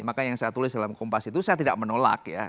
maka yang saya tulis dalam kompas itu saya tidak menolak ya